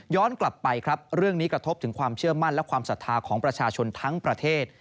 กลับไปครับเรื่องนี้กระทบถึงความเชื่อมั่นและความศรัทธาของประชาชนทั้งประเทศ